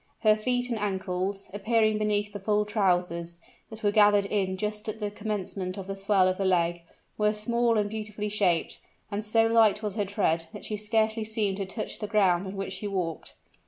Her feet and ankles, appearing beneath the full trousers, that were gathered in just at the commencement of the swell of the leg, were small and beautifully shaped; and so light was her tread, that she scarcely seemed to touch the ground on which she walked.